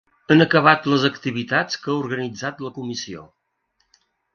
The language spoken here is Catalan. Han acabat les activitats que ha organitzat la comissió.